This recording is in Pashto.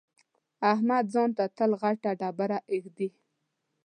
احمد ځان ته تل غټه ډبره اېږدي.